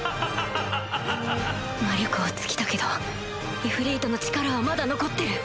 魔力は尽きたけどイフリートの力はまだ残ってる